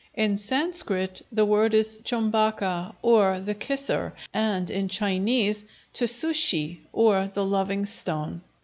In Sanskrit the word is chumbaka or "the kisser," and in Chinese t' su shi, or "the loving stone."